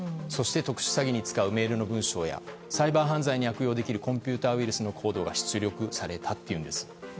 特殊詐欺に使うメールの文章やサイバー犯罪に悪用できるコンピューターウイルスコードが出力されたというんです。